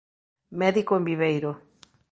Médico en Viveiro.